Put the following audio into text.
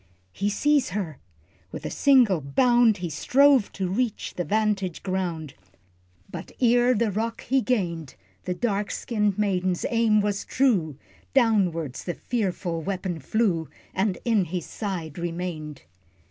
He sees her! With a single bound He strove to reach the vantage ground, But ere the rock he gained, The dark skinned maiden's aim was true, Downwards the fearful weapon flew, And in his side remained!